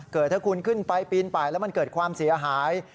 ถ้าคุณขึ้นไปปีนไปแล้วมันเกิดความเสียหาย